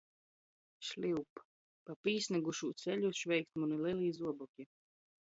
Šliup! pa pīsnygušū ceļu šveikst muni lelī zuoboki.